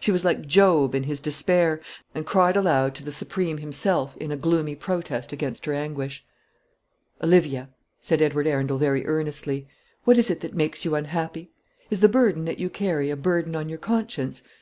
She was like Job in his despair, and cried aloud to the Supreme Himself in a gloomy protest against her anguish. "Olivia," said Edward Arundel very earnestly, "what is it that makes you unhappy? Is the burden that you carry a burden on your conscience?